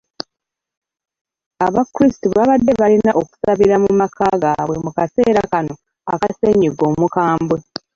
Abakirisitu babadde balina okusabira mu maka gaabwe mu kaseera kano aka sennyiga omukambwe.